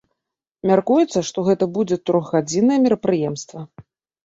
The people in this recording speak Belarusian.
Мяркуецца, што гэта будзе трохгадзіннае мерапрыемства.